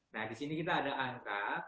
nah di sini kita ada angka